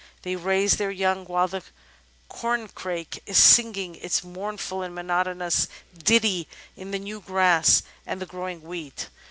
They raise their young while the Corncrake is singing its mournful and monotonous ditty in the new grass and the growing wheat.